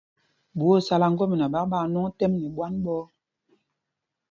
Ɓuá ó sálá ŋgɔ́mina ɓak ɛ, ɓaa ŋwɔŋ tɛ́m nɛ ɓwán ɓɔ̄ɔ̄.